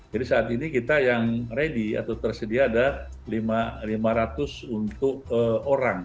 jadi saat ini kita yang ready atau tersedia ada lima ratus untuk orang